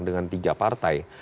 dengan tiga partai